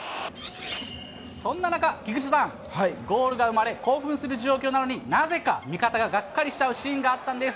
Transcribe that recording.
そんな中、菊池さん、ゴールが生まれ、興奮する状況なのに、なぜか味方ががっかりしちゃうシーンがあったんです。